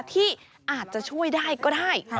ที่อาจจะช่วยได้ก็ได้